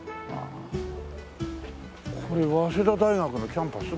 これ早稲田大学のキャンパス？